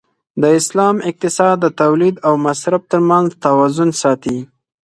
د اسلام اقتصاد د تولید او مصرف تر منځ توازن ساتي.